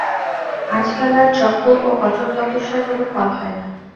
আজকাল আর যজ্ঞ ও কঠোর তপস্যায় কোন ফল হয় না।